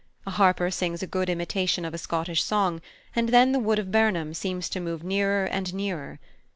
A harper sings a good imitation of a Scottish song, and then the Wood of Birnam seems to move nearer and nearer.